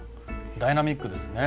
ダイナミックですね。